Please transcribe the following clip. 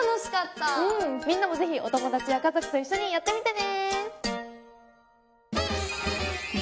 みんなもぜひお友達や家族と一緒にやってみてね！